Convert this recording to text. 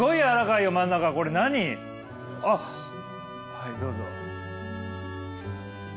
はいどうぞ。